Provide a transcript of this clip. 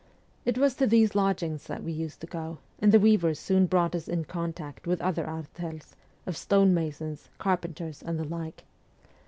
It was to these lodgings that ST. PETEKSBURG 119 we used to go, and the weavers soon brought us in contact with other artels of stone masons, carpenters, and the like.